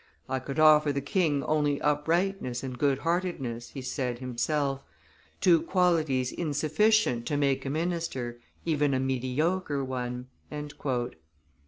"I could offer the king only uprightness and good heartedness," he said himself, "two qualities insufficient to make a minister, even a mediocre one."